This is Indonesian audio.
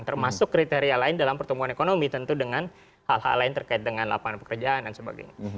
termasuk kriteria lain dalam pertumbuhan ekonomi tentu dengan hal hal lain terkait dengan lapangan pekerjaan dan sebagainya